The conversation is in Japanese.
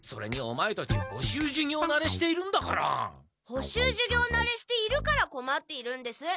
補習授業なれしているからこまっているんです。